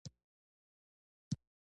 د ننګرهار حاجي حضرت باز کاکا د خندا سړی و.